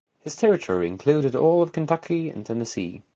His territory included all of Kentucky and Tennessee.